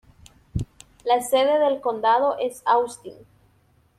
La sede del condado es Austin.